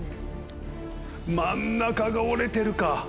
真ん中が折れてるか。